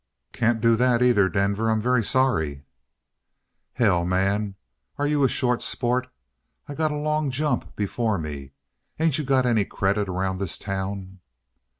"Can't do that either, Denver. I'm very sorry." "Hell, man! Are you a short sport? I got a long jump before me. Ain't you got any credit around this town?"